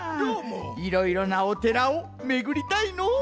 いろいろなおてらをめぐりたいのう。